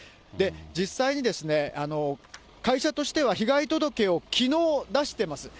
実際にですね、会社としては、被害届をきのう出しています。